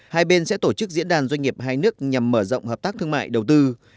hai bên sẽ tổ chức diễn đàn doanh nghiệp hai nước nhằm mở rộng hợp tác thương mại đầu tư